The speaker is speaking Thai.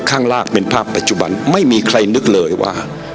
ข้างล่างเป็นภาพปัจจุบันไม่มีใครนึกเลยว่า